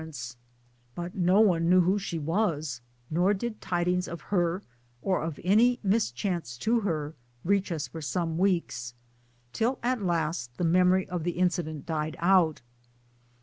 6 MY DAYS AND, DREAMS but no one knew who she was ; nor did tidings of her, or of any mischance to her, reach us for some weeks till at last the memory of the incident died out.